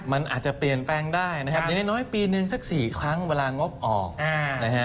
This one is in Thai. มันอาจจะเปลี่ยนแปลงได้นะครับอย่างน้อยปีนึงสัก๔ครั้งเวลางบออกนะฮะ